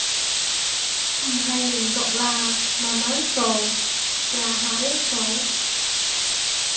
唔係連續啦，慢慢做，廿下一組